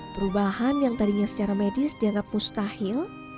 perubahan yang tadinya secara medis dianggap mustahil